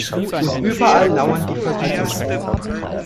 Und überall lauern die Versuchungen.